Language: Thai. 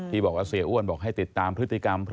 บอกว่าเสียอ้วนบอกให้ติดตามพฤติกรรม